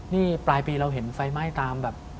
นี่ปลายปีเราเห็นไฟไหม้ตามแบบ